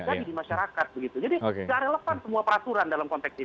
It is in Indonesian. jadi di masyarakat begitu jadi tidak relevan semua peraturan dalam konteks ini